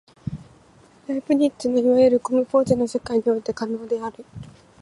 ライプニッツのいわゆるコムポーゼの世界において可能である。